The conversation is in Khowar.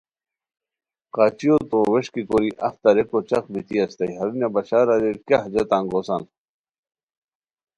قچیو تو ووݰکی کوری اف تاریکو چق بیتی استائے ہرونیہ بشار اریر کیہ حاجتہ انگوسان